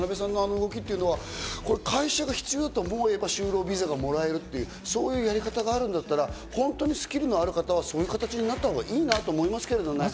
あの渡部さんの動きというのは会社が必要だと思えば就労ビザがもらえるという、そういうやり方があるんだったら、本当にスキルのある方はそういう形になったほうがいいと思いますけどね。